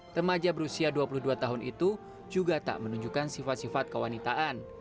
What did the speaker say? remaja berusia dua puluh dua tahun itu juga tak menunjukkan sifat sifat kewanitaan